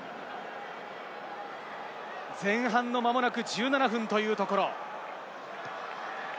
前半のまもなく１７分というところ。